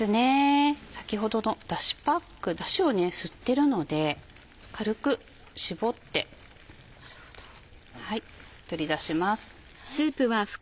先ほどのダシパックダシを吸ってるので軽く絞って取り出します。